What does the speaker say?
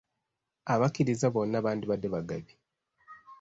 Abakiriza bonna bandibadde bagabi.